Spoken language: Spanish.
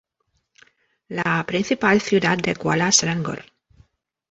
La principal ciudad de Kuala Selangor.